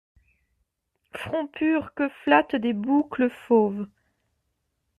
Front pur que flattent des boucles fauves!